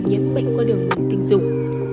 nhiễm bệnh qua đường tình dục